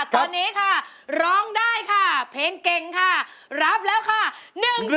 ตอนนี้ค่ะร้องได้ค่ะเพลงเก่งค่ะรับแล้วค่ะหนึ่งแสนบาท